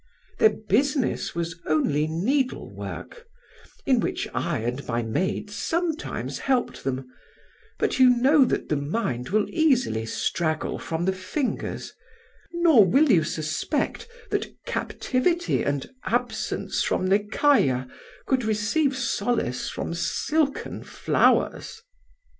"Their business was only needlework, in which I and my maids sometimes helped them; but you know that the mind will easily straggle from the fingers, nor will you suspect that captivity and absence from Nekayah could receive solace from silken flowers.